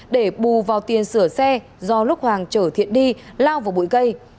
để bù vào tiền sửa xe do lúc hoàng chở thiện đi lao vào bụi cây